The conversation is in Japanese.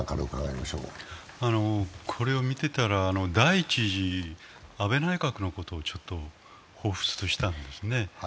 これを見ていたら、第１次安倍内閣のことを彷彿としたんですね。